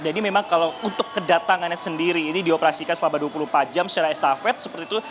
jadi memang kalau untuk kedatangannya sendiri ini dioperasikan selama dua puluh empat jam secara estafet seperti itu